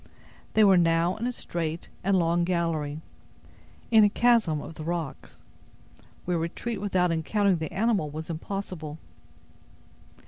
They were now in a straight and long gallery, in a chasm of the rocks, where retreat without encountering the animal was impossible.